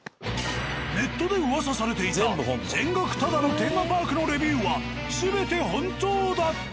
ネットで噂されていた全額タダのテーマパークのレビューは全て本当だった。